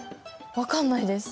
分かんないです。